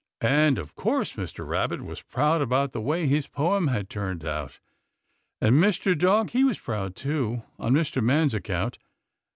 And of course Mr. Rabbit was proud about the way his poem had turned out; and Mr. Dog he was proud, too, on Mr. Man's account.